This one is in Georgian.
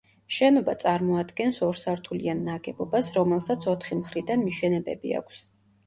შენობა წარმოადგენს ორსართულიან ნაგებობას, რომელსაც ოთხი მხრიდან მიშენებები აქვს.